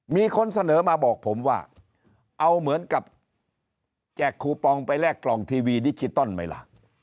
มีคนเสนอมาบอกผมว่าเอาเหมือนกับแจกคูปองไปแลกกล่องทีวีดิจิตอลไหมล่ะ